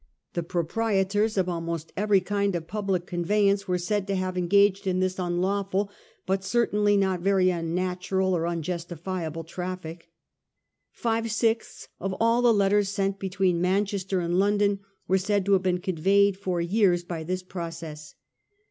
The proprietors of almost every kind of public conveyance are said to have been engaged in this unlawful but certainly not very un natural or unjustifiable traffic. Five sixths of all the letters sent between Manchester, and London were said to have been conveyed for years by this process.